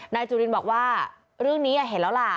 จุลินบอกว่าเรื่องนี้เห็นแล้วล่ะ